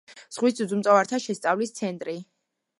ზღვის ძუძუმწოვართა შესწავლის ცენტრი.